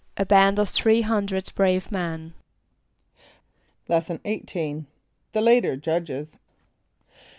=A band of three hundred brave men.= Lesson XVIII. The Later judges.